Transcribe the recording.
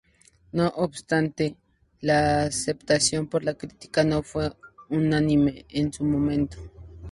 No obstante, la aceptación por la crítica no fue unánime en su momento.